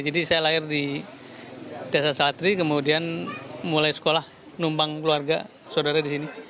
jadi saya lahir di desa satri kemudian mulai sekolah numpang keluarga saudara di sini